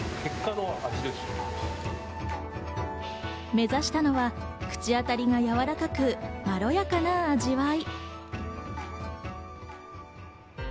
目指したのは口当たりがやわらかくまろやかな味わい。